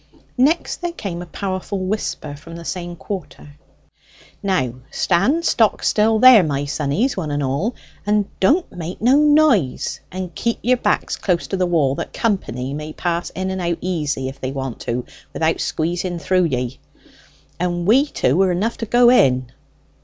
Next there came a powerful whisper from the same quarter: "Now stand stock still there, my sonnies, one and all! And don't make no noise; and keep your backs close to the wall, that company may pass in and out easy if they want to without squeezing through ye: and we two are enough to go in."